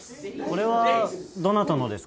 これはどなたのですか？